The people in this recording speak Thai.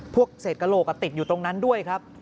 พวกเศษกระโหลกติดอยู่ตรงนั้นด้วยครับ